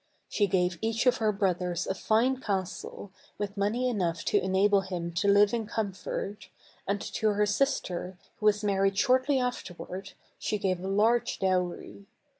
She gave each of her brothers a fine castle, with money enough to enable him to live in comfort, and to her sister, who was married shortly afterward, she gave a large dowry.